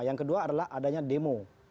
yang kedua adalah adanya demo